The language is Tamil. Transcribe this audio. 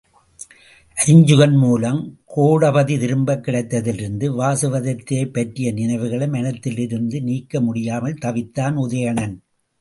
அருஞ்சுகன் மூலம் கோடபதி திரும்பக் கிடைத்ததிலிருந்து வாசவதத்தையைப் பற்றிய நினைவுகளை மனத்திலிருந்து நீக்க முடியாமல் தவித்தான் உதயணன்.